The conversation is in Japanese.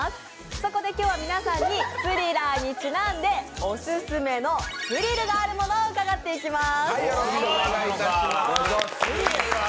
そこで今日は皆さんに「Ｔｈｒｉｌｌｅｒ」にちなんでオススメのスリルがあるものを紹介していただきます。